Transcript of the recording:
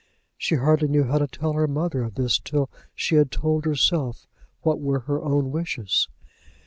She hardly knew how to tell her mother of this till she had told herself what were her own wishes.